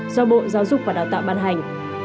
do bộ giáo dục và đào tạo ban hành